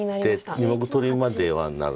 切って２目取りまではなる。